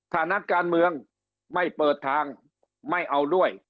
ถ้านักการเมืองไม่เปิดทางไม่เอาด้วย